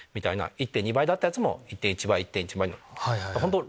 １．２倍だったやつも１．１倍１．１倍。